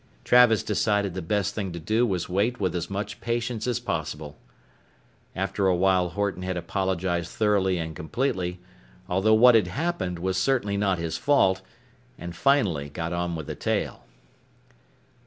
Travis decided the best thing to do was wait with as much patience as possible. After a while Horton had apologized thoroughly and completely, although what had happened was certainly not his fault, and finally got on with the tale.